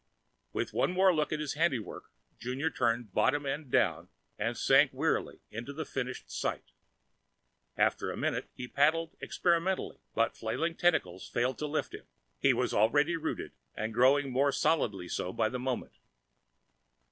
With one more look at his handiwork, Junior turned bottom end down and sank wearily onto the finished site. After a minute, he paddled experimentally, but flailing tentacles failed to lift him. He was already rooted, and growing more solidly so by the moment.